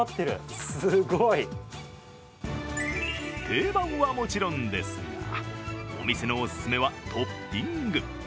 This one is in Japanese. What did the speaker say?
定番はもちろんですがお店のおすすめはトッピング。